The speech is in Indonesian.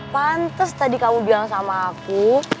pantes tadi kamu bilang sama aku